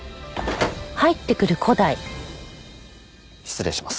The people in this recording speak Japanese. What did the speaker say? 失礼します。